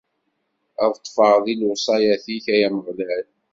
Ad ṭṭfeɣ di lewṣayat-ik, ay Ameɣlal.